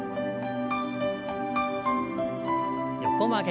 横曲げ。